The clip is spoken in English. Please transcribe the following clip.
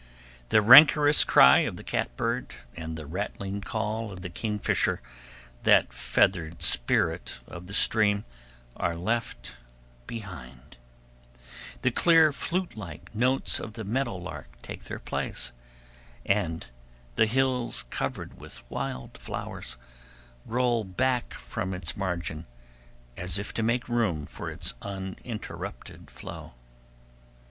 The rancorous cry of the catbird, and the rattling call of the kingfisher, that feathered spirit of the stream, are left behind; the clear flutelike notes of the meadow lark take their place, and the hills, covered with wild flowers, roll back from its margin, as if to make room for its uninterrupted flow.